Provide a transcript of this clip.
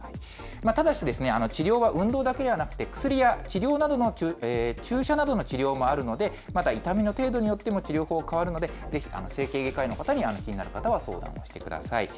ただし、治療は運動だけではなくて、薬や注射などの治療もあるので、また痛みの程度によっても治療法が変わるので、ぜひ整形外科医の方に気になる方は相談してください。